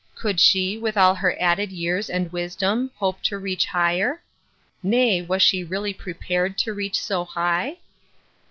Could she, with all her added years and wisdom, hope to reach higher ? Nay, was she really prepared to reach so high